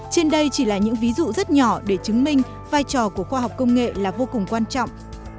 trên đây chỉ là những ví dụ rất nhỏ để chứng minh vai trò của khoa học công nghệ là vô cùng quan trọng